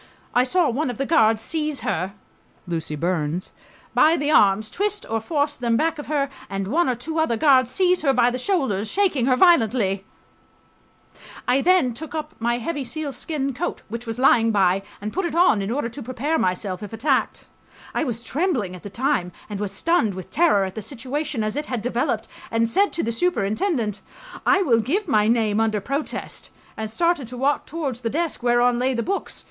I ... saw one of the guards seize her [Lucy Burns] by the arms, twist or force them back of her, and one or two other guards seize her by the shoulders, shaking her violently .... I then .. took up my heavy sealskin coat, which was lying by, and put it on, in order to prepare myself if attacked .... I was trembling at the time and was stunned with terror at the situation as it had developed, and said to the superintendent, "I will give my name under protest," and started to walk towards the desk whereon lay the books.